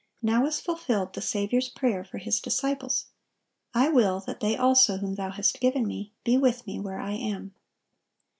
Now is fulfilled the Saviour's prayer for His disciples, "I will that they also whom Thou hast given Me be with Me where I am."